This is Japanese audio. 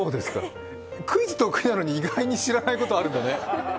クイズ得意なのに、意外に知らないことあるんだね。